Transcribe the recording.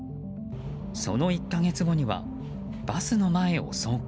その１か月後にはバスの前を走行。